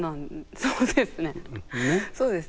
そうですね。